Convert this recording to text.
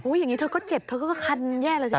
อย่างนี้เธอก็เจ็บเธอก็คันแย่แล้วสิ